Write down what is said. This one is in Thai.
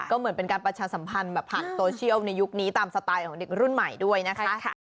ก็เหมือนเป็นการประชาสัมพันธ์แบบผ่านโซเชียลในยุคนี้ตามสไตล์ของเด็กรุ่นใหม่ด้วยนะคะ